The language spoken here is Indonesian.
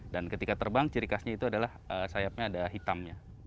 dan ketika terbang ciri khasnya itu adalah sayapnya ada hitamnya